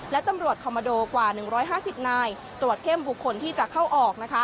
และตำรวจคอมโมโดกว่าหนึ่งร้อยห้าสิบนายตรวจเข้มบุคคลที่จะเข้าออกนะคะ